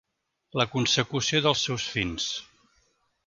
La consecució dels seus fins.